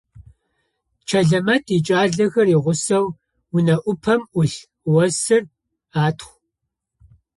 Чэлэмэт икӏалэхэр игъусэу, унэ ӏупэм ӏулъ осыр атхъу.